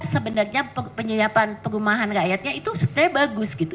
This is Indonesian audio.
sebenarnya penyediaan perumahan rakyatnya itu sebenarnya bagus gitu